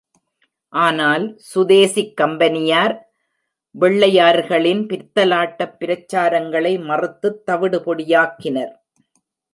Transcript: ஆனால், சுதேசிக் கம்பெனியார் வெள்ளையர்களின் பித்தலாட்டப் பிரச்சாரங்களை மறுத்துத் தவிடு பொடியாக்கினர்.